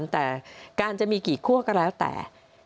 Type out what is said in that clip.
แต่การจะมีกี่คั่วก็แล้วแต่